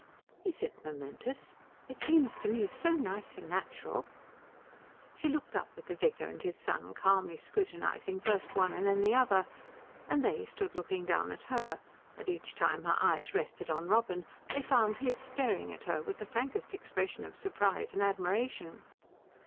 "Is it momentous? It seems to me so nice and natural." She looked up at the vicar and his son, calmly scrutinizing first one and then the other, and they stood looking down at her; and each time her eyes rested on Robin they found his staring at her with the frankest expression of surprise and admiration.